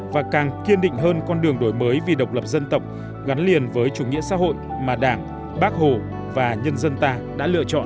và càng kiên định hơn con đường đổi mới vì độc lập dân tộc gắn liền với chủ nghĩa xã hội mà đảng bác hồ và nhân dân ta đã lựa chọn